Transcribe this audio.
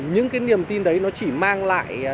những cái niềm tin đấy nó chỉ mang lại